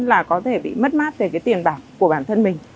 là có thể bị mất mát về cái tiền bạc của bản thân mình